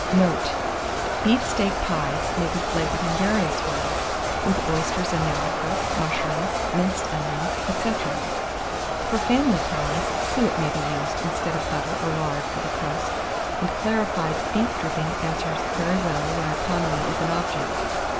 Note. Beef steak pies may be flavoured in various ways, with oysters and their liquor, mushrooms, minced onions, &c. For family pies, suet may be used instead of butter or lard for the crust, and clarified beef dripping answers very well where economy is an object.